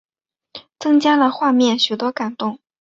增加了画面许多动感